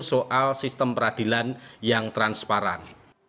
soal sistem peradilan yang transparan